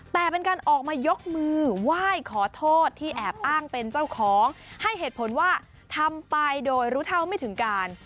แต่เป็นการออกมายกมือไหว้ขอโทษที่แอบอ้างเป็นเจ้าของให้เหตุผลว่าทำไปโดยรู้เท่าไม่ถึงการ